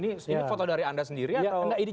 ini foto dari anda sendiri atau enggak